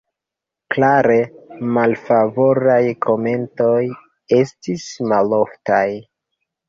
Klare malfavoraj komentoj estis maloftaj.